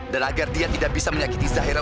dan agar dia tidak bisa menyakiti zahiranku